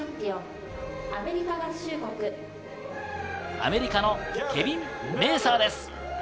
アメリカのケビン・メーサーです。